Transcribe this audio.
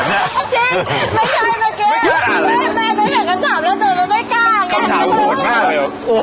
สู้โหดมากเลย